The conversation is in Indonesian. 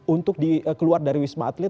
untuk keluar dari wisma atlet